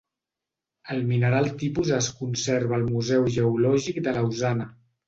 El mineral tipus es conserva al Museu Geològic de Lausana.